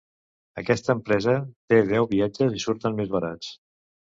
Aquesta empresa té deu viatges i surten més barats.